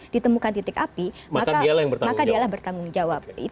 ditemukan titik api maka dialah bertanggung jawab